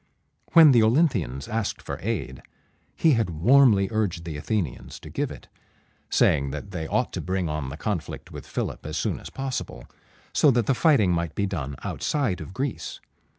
When the Olynthians asked for aid, he had warmly urged the Athenians to give it, saying that they ought to bring on the conflict with Philip as soon as possible, so that the fighting might be done outside of Greece.